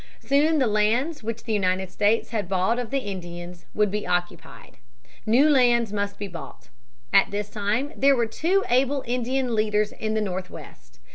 Soon the lands which the United States had bought of the Indians would be occupied. New lands must be bought. At this time there were two able Indian leaders in the Northwest.